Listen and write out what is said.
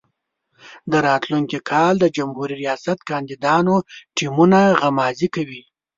د راتلونکي کال د جمهوري ریاست کاندیدانو ټیمونه غمازي کوي.